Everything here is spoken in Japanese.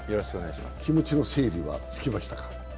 気持ちの整理はつきましたか？